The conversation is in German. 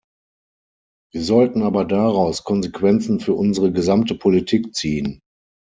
Wir sollten aber daraus Konsequenzen für unsere gesamte Politik ziehen.